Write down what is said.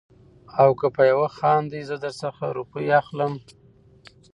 او که په يوه خاندې زه در څخه روپۍ اخلم.